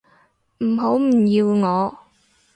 唔好唔要我